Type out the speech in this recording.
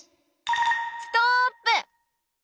ストップ。